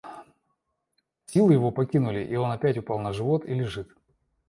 А силы его покинули, и он опять упал на живот и лежит.